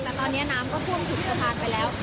แต่ตอนนี้น้ำก็ท่วมถึงสะพานไปแล้ว